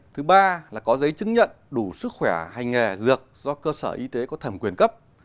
thứ ba là có giấy chứng nhận đủ sức khỏe hành nghề dược do cơ sở y tế có thẩm quyền cấp